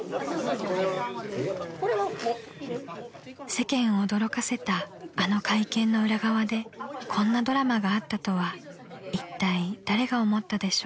［世間を驚かせたあの会見の裏側でこんなドラマがあったとはいったい誰が思ったでしょう］